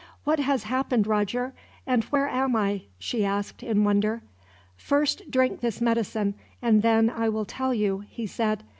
"What has happened, Roger? And where am I?" she asked, in wonder. "First drink this medicine, and then I will tell you," he said.